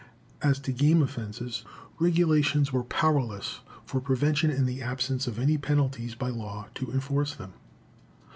As to game offenses, regulations were powerless for prevention in the absence of any penalties by law to enforce them.